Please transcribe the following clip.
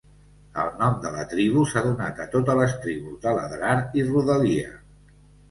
El nom de la tribu s'ha donat a totes les tribus de l'Adrar i rodalia.